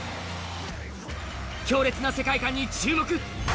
強烈な世界観に注目。